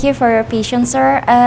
terima kasih atas kesempatan pak